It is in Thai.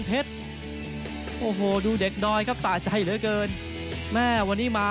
โอ้โหดูเด็กน้อยครับสะใจเหลือเกินแม่วันนี้มา